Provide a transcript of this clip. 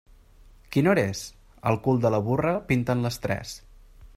Quina hora és? Al cul de la burra pinten les tres.